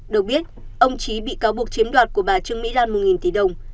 được biết ông trí bị cáo buộc chiếm đoạt của bà trương mỹ lan một tỷ đồng